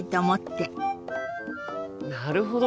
なるほど！